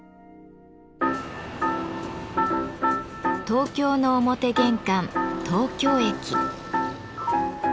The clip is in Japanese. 東京の表玄関東京駅。